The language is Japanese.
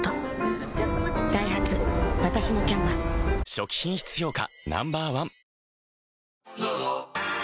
初期品質評価